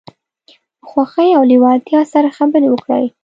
په خوښۍ او لیوالتیا سره خبرې وکړئ.